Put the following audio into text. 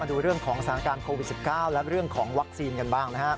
ดูเรื่องของสถานการณ์โควิด๑๙และเรื่องของวัคซีนกันบ้างนะครับ